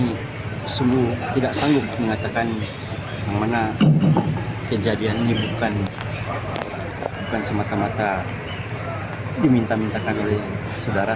saya sungguh tidak sanggup mengatakan kejadian ini bukan semata mata diminta mintakan oleh saudara